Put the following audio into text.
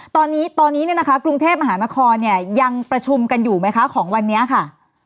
ตอนนี้กรุงเทพมหานครยังประชุมกันอยู่ไหมคะของวันนี้ค่ะ